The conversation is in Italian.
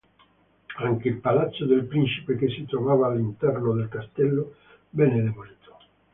Anche il palazzo del principe che si trovava all'interno del castello venne demolito.